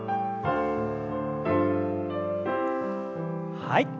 はい。